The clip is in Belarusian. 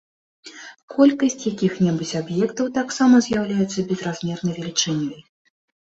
Колькасць якіх-небудзь аб'ектаў таксама з'яўляецца безразмернай велічынёй.